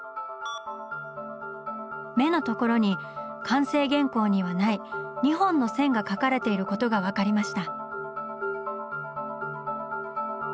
目のところに完成原稿にはない２本の線が描かれていることが分かりました。